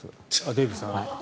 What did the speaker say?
デーブさんが。